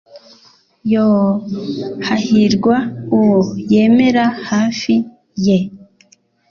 Yoo hahirwa uwo yemera hafi ye